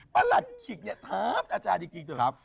ประหลัดขิกเนี่ยถามอาจารย์จริงเถอะ